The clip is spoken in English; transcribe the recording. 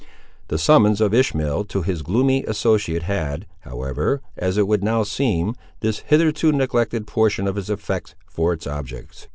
The summons of Ishmael to his gloomy associate had, however, as it would now seem, this hitherto neglected portion of his effects for its object.